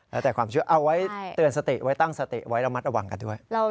แล้วแต่ความเชื่อเอาไว้เตือนสติไว้ตั้งสติไว้ระมัดระวังกันด้วย